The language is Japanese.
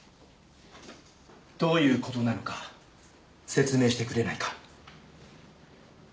どういう事なのか説明してくれないか？